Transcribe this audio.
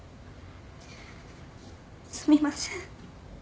すみません。